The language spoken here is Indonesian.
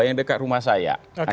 yang dekat rumah saya